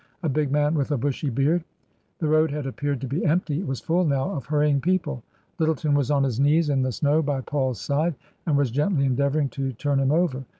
A big man with a bushy beard." The road had appeared to be empty ; it was full now of hurrying people. Lyttleton was on his knees in the snow by Paul's side and was gently endeavouring to turn him over.